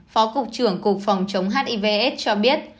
phó cục trưởng cục phòng chống hiv aids cho biết